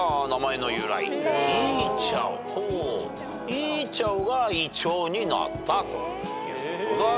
イーチャオがイチョウになったということだそうです。